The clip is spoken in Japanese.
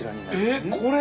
えっこれ？